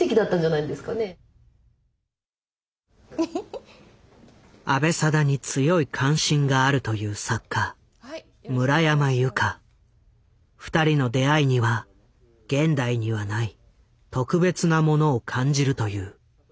でも阿部定に強い関心があるという２人の出会いには現代にはない特別なものを感じるという。